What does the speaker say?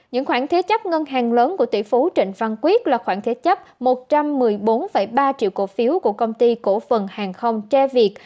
những khoản thế chấp ngân hàng lớn của tỷ phú trịnh văn quyết là khoảng thế chấp một trăm một mươi bốn ba triệu cổ phiếu của công ty cổ phần hàng không tre việt